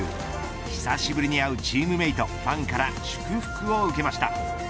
久しぶりに会うチームメートファンから祝福を受けました。